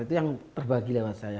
itu yang terbagi nama saya